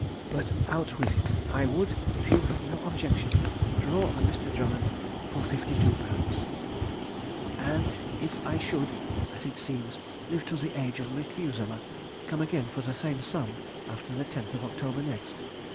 But out with it! I would, if you have no objection, draw on Mr. Drummond for £52, and if I should (as it seems) live to the age of Methuselah, come again for the same sum after the 10th of October next.